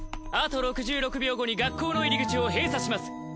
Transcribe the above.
あと６６秒後に学校の入り口を閉鎖します。